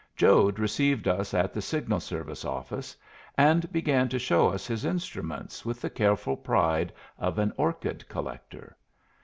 Jode received us at the signal service office, and began to show us his instruments with the careful pride of an orchid collector.